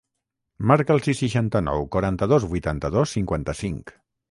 Marca el sis, seixanta-nou, quaranta-dos, vuitanta-dos, cinquanta-cinc.